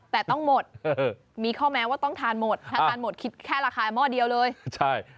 แต่ต้องหมดมีข้อแม้ว่าต้องทานหมดถ้าทานหมดคิดแค่ราคาหม้อเดียวเลยใช่